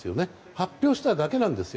発表しただけなんですよ。